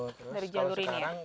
dari jalur ini ya